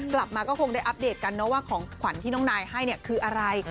กลับมาก็คงได้อัปเดตกันนะว่าของขวัญที่น้องนายให้เนี่ยคืออะไร